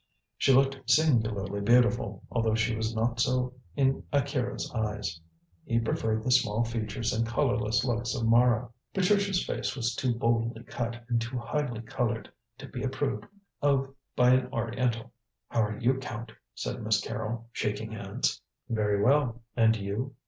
She looked singularly beautiful, although she was not so in Akira's eyes. He preferred the small features and colourless looks of Mara. Patricia's face was too boldly cut and too highly coloured to be approved of by an Oriental. "How are you, Count?" said Miss Carrol, shaking hands. "Very well; and you?